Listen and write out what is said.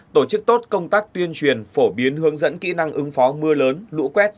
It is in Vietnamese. tổ chức tốt công tác tuyên truyền phổ biến hướng dẫn kỹ năng ứng phó mưa lớn lũ quét